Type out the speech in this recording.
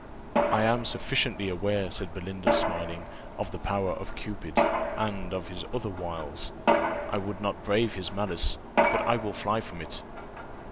"I am sufficiently aware," said Belinda, smiling, "of the power of Cupid, and of his wiles. I would not brave his malice, but I will fly from it."